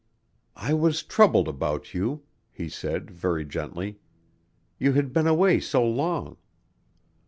"I was troubled about you," he said very gently. "You had been away so long."